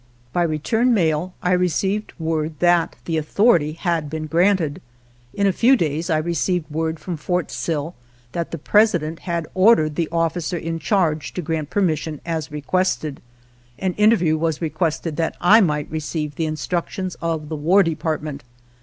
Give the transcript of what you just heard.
By return mail I received word that the authority had been granted. In a few days I received word from Fort Sill that the President had xiv INTRODUCTORY ordered the officer in charge to grant per mission as requested. An interview was re quested that I might receive the instructions of the War Department.